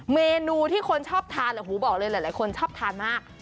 เมนูที่คนชอบทานโอ้โหบอกเลยหลายคนชอบทานมาก